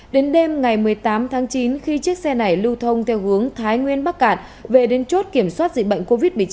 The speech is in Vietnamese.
đến đêm ngày một mươi tám tháng chín khi chiếc xe này lưu thông theo hướng thái nguyên bắc cạn về đến chốt kiểm soát dịch bệnh covid một mươi chín